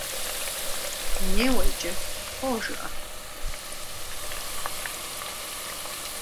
Неуэ иджы, «хьо» жыӀэ.